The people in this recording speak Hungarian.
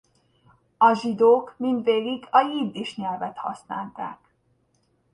A zsidók mindvégig a jiddis nyelvet használták.